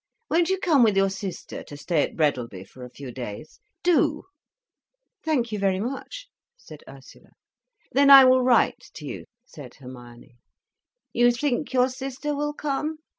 Won't you come with your sister to stay at Breadalby for a few days?—do—" "Thank you very much," said Ursula. "Then I will write to you," said Hermione. "You think your sister will come?